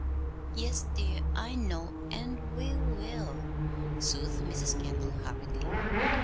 "Yes, dear, I know; and we will," soothed Mrs. Kendall, hurriedly.